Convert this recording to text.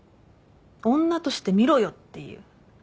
女として見ろよっていう。